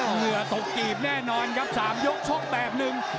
เหงื่อตกกีบแน่นอนครับ๓ยกชกแบบหนึ่ง